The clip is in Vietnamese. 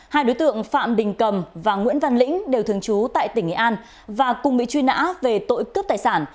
hai đối tượng phạm đình cầm và nguyễn văn lĩnh đều thường trú tại tỉnh nghệ an và cùng bị truy nã về tội cướp tài sản